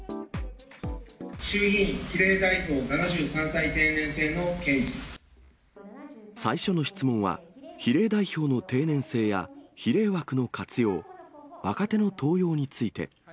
衆議院比例代表７３歳定年制最初の質問は、比例代表の定年制や、比例枠の活用、若手の登用について。